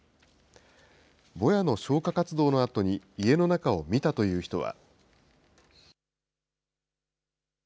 ぼやの消火活動のあとに家の中を見たという人は。